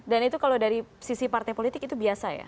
dan itu kalau dari sisi partai politik itu biasa ya